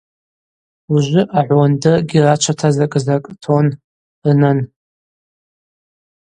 Ужвы агӏвуандыркӏгьи рачвата закӏы-закӏ тонн рнын.